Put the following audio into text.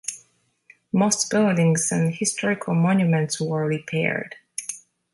Most buildings and historical monuments were repaired.